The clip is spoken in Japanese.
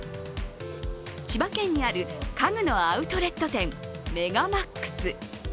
千葉県にある家具のアウトレット店、メガマックス。